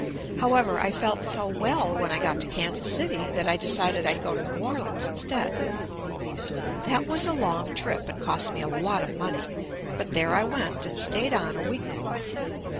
However, I felt so well when I got to Kansas City that I decided I'd go to New Orleans in stead. That was a long trip and cost me a lot of money, but there I went and stayed on a week or more.